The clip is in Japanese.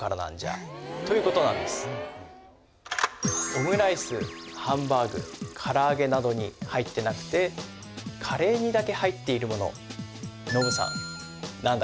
オムライスハンバーグ唐揚げなどに入ってなくてカレーにだけ入っているものえっえっ何何何？